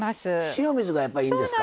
塩水がやっぱいいんですか。